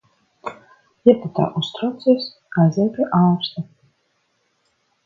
Ja tu tā uztraucies, aizej pie ārsta.